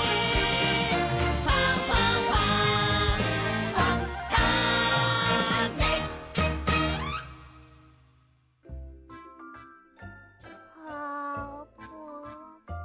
「ファンファンファン」あーぷん。